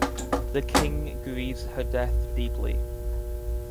The King grieves her death deeply.